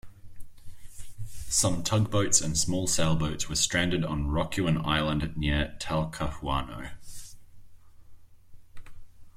Some tugboats and small sailboats were stranded on Rocuant Island near Talcahuano.